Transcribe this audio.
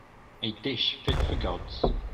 A dish fit for the gods